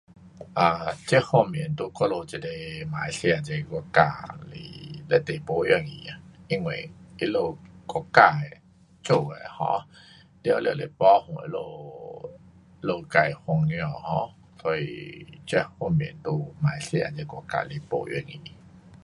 um 这方面在我们这里马来西亚这国家是非常不容易的，因为他们国家做的 um 都是保护他们自己番儿，所以这方面在马来西亚这国家是不容易。